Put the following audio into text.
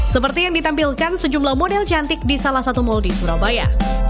seperti yang ditampilkan sejumlah model cantik di salah satu mal di surabaya